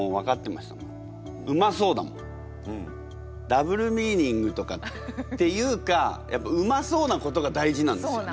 ダブルミーニングとかっていうかやっぱうまそうなことが大事なんですよね。